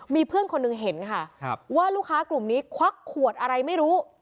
มีเพื่อนคนหนึ่งเห็นค่ะว่าลูกค้ากลุ่มนี้ควักขวดอะไรไม่รู้